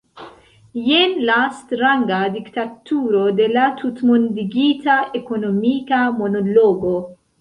Jen la stranga diktaturo de la tutmondigita ekonomika monologo.